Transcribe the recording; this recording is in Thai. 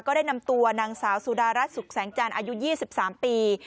ได้นำตัวนางสาวสุดารัฐสุขแสงจันทร์อายุ๒๓ปี